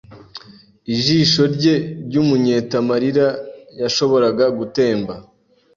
Ijisho rye ryumyenta marira yashoboraga gutemba